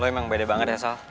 lo emang beda banget ya sal